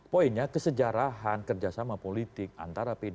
poinnya kesejarahan kerjasama politik antara pdi dan p tiga